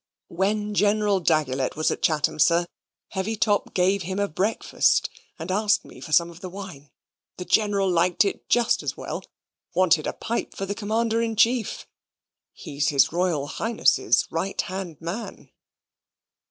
"When General Daguilet was at Chatham, sir, Heavytop gave him a breakfast, and asked me for some of the wine. The General liked it just as well wanted a pipe for the Commander in Chief. He's his Royal Highness's right hand man."